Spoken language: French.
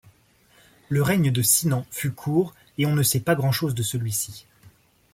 Le règne de Cynan fut court et on ne sait pas grand-chose de celui-ci.